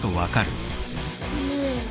ねえ？